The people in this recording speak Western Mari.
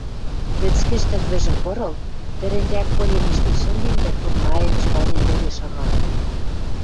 Вӹцкӹж тӹрвӹжӹм, пырыл, тӹрӹньрӓк пылен ӹштен шӹнден дӓ турнаен, чыванен веле шагалын.